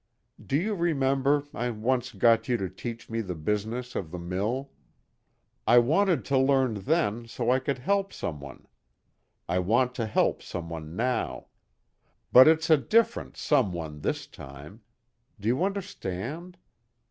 "Do you remember, I once got you to teach me the business of the mill? I wanted to learn then so I could help some one. I want to help some one now. But it's a different 'some one' this time. Do you understand?